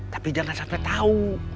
tapi jangan sampai tau